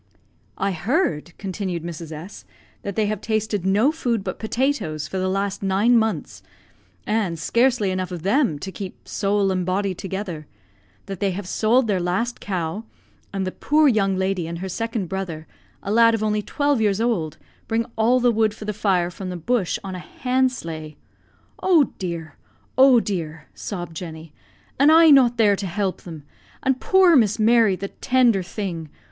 "I heard," continued Mrs. S , "that they have tasted no food but potatoes for the last nine months, and scarcely enough of them to keep soul and body together; that they have sold their last cow; and the poor young lady and her second brother, a lad of only twelve years old, bring all the wood for the fire from the bush on a hand sleigh." "Oh, dear! oh, dear!" sobbed Jenny; "an' I not there to hilp them! An' poor Miss Mary, the tinder thing!